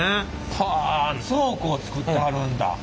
はあ倉庫を作ってはるんだ。